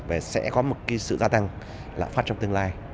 và sẽ có một cái sự gia tăng lạm phát trong tương lai